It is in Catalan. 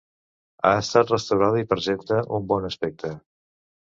Ha estat restaurada i presenta un bon aspecte.